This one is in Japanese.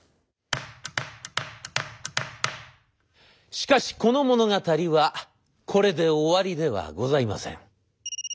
しかしこの物語はこれで終わりではございません。